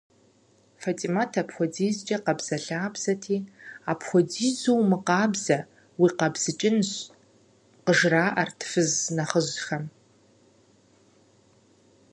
Фэтимэт апхуэдизкӏэ къабзэлъабзэти, «апхуэдизу умыкъабзэ, уикъабзыкӏынщ» къыжраӏэрт фыз нэхъыжьхэм.